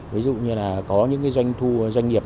ví dụ như là có những doanh nghiệp